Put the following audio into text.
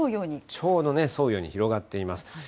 ちょうどね、沿うように広がっています。